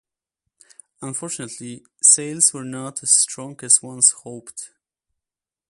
Unfortunately, sales were not as strong as once hoped.